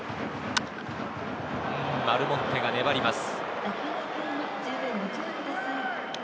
アルモンテが粘ります。